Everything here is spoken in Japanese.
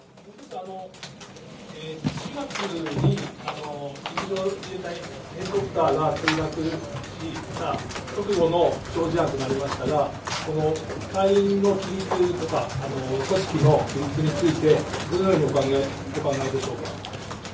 ４月に陸上自衛隊のヘリコプターが墜落した直後の死傷事案となりましたが、隊員の規律とか、組織の規律について、どのようにお考えでしょうか。